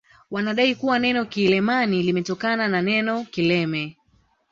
Wanadai kuwa neno kiileman limetokana na neno kileme